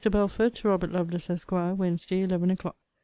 BELFORD, TO ROBERT LOVELACE, ESQ. WEDNESDAY, ELEVEN O'CLOCK.